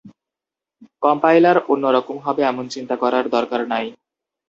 Compiler অন্য রকম হবে এমন চিন্তা করার দরকার নাই।